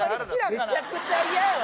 めちゃくちゃ嫌よ